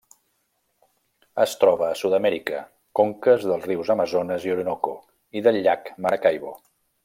Es troba a Sud-amèrica: conques dels rius Amazones i Orinoco, i del llac Maracaibo.